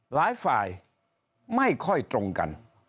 หลายฝ่ายไม่ค่อยตรงกัน